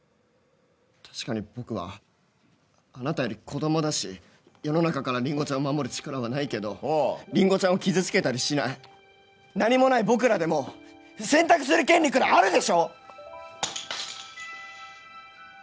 確かに僕はあなたより子供だし世の中からりんごちゃんを守る力はないけどおおりんごちゃんを傷つけたりしない何もない僕らでも選択する権利くらいあるでしょ！